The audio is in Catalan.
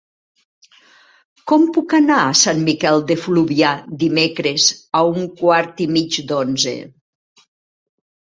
Com puc anar a Sant Miquel de Fluvià dimecres a un quart i mig d'onze?